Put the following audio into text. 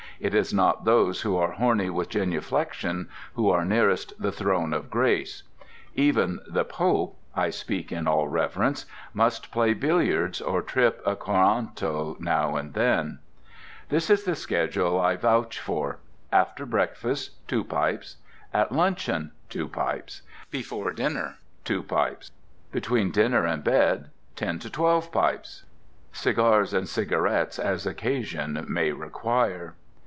It is not those who are horny with genuflection who are nearest the Throne of Grace. Even the Pope (I speak in all reverence) must play billiards or trip a coranto now and then! This is the schedule I vouch for: After breakfast: 2 pipes At luncheon: 2 pipes Before dinner: 2 pipes Between dinner and bed: 10 to 12 pipes (Cigars and cigarettes as occasion may require.)